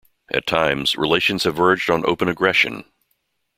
At times, relations have verged on open aggression.